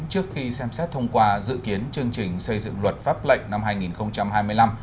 trước khi xem xét thông qua dự kiến chương trình xây dựng luật pháp lệnh năm hai nghìn hai mươi năm